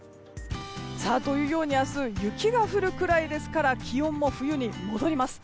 明日、雪が降るくらいですから気温も冬に戻ります。